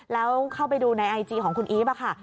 แล้วเข้าไปดูในไอจีของคุณอีฟค่ะ